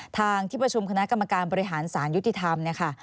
ทางที่ประชุมคณะกรรมการบริหารสารยุติธรรม